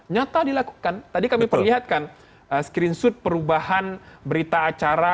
nyata dilakukan tadi kami perlihatkan screenshot perubahan berita acara